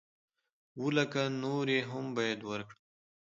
اووه لکه نورې هم بايد ورکړم.